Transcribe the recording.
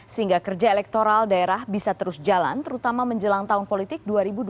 sehingga kerja elektoral daerah bisa terus jalan terutama menjelang tahun politik dua ribu dua puluh